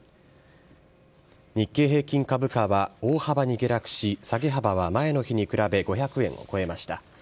日経平均株価は大幅に下落し、下げ幅は前の日に比べ５００円を超えました。